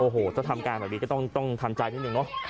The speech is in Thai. โอ้โหถ้าทำการแบบนี้ก็ต้องทำใจนิดนึงเนอะ